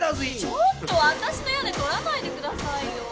ちょっとわたしのやねとらないでくださいよ！